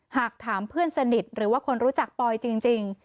หากถามเพื่อนสนิทหรือว่าคนรู้จักปอยจริง